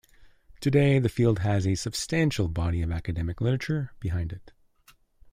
Today, the field has a substantial body of academic literature behind it.